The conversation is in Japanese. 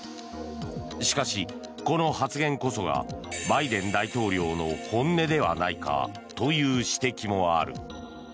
しかし、この発言こそがバイデン大統領の本音ではないかという指摘もある。